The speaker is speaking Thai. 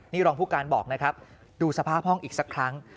นี่รองผู้การบอกนะครับดูสภาพห้องอีกสักครั้ง